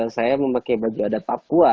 saya memakai baju adat papua